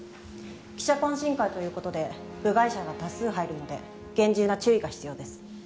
記者懇親会という事で部外者が多数入るので厳重な注意が必要です。